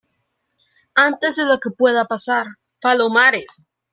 antes de lo que pueda pasar. ¡ palomares!